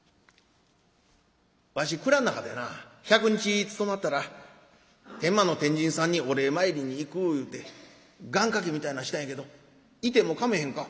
わし蔵ん中でな１００日つとまったら天満の天神さんにお礼参りに行くいうて願かけみたいなんしたんやけど行てもかまへんか？」。